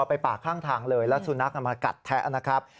ไปปากข้างทางเลยแล้วสุนัขมากัดแทะนะครับ